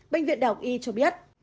bệnh viện đạo y cho biết